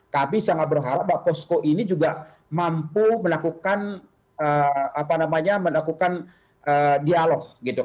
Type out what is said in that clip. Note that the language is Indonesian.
kami sangat berharap bahwa posko ini juga mampu melakukan dialog